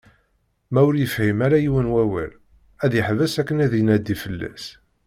Ma ur yefhim ara yiwen awal ad yeḥbes akken ad inadi fell-as.